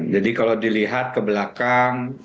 jadi kalau dilihat kebelakangan